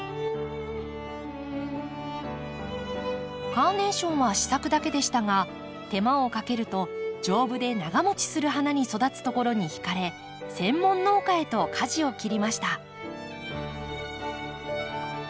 カーネーションは試作だけでしたが手間をかけると丈夫で長もちする花に育つところに惹かれ専門農家へとかじを切りました。